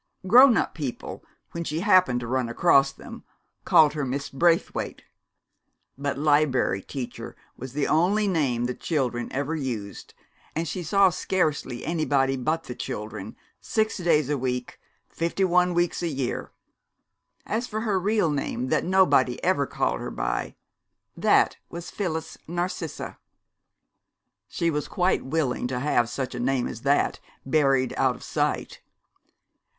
Grown up people, when she happened to run across them, called her Miss Braithwaite. But "Liberry Teacher" was the only name the children ever used, and she saw scarcely anybody but the children, six days a week, fifty one weeks a year. As for her real name, that nobody ever called her by, that was Phyllis Narcissa. She was quite willing to have such a name as that buried out of sight.